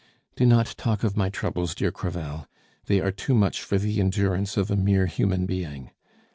"Do not talk of my troubles, dear Crevel; they are too much for the endurance of a mere human being.